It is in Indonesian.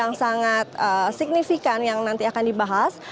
ekonomi isu ekonomi ini merupakan isu yang sangat signifikan yang nanti akan dibahas